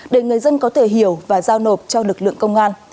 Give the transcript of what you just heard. để người dân có thể hiểu và giao nộp cho lực lượng công an